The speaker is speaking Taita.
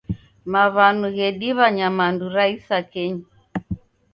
Maw'anu ghediw'a nyamandu ra isakenyi.